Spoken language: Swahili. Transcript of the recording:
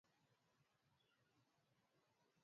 huko maeneo ya Kalenga karibu na Iringa ya leo